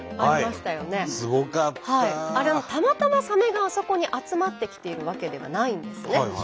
あれたまたまサメがあそこに集まってきているわけではないんですね。